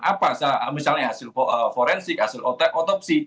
apa misalnya hasil forensik hasil otopsi